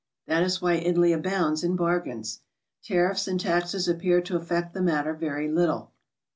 That is why Italy abounds ia bargains. Tariffs and taxes appear to affect the matter very little.